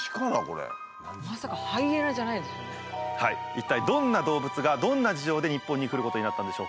一体どんな動物がどんな事情で日本に来ることになったんでしょうか。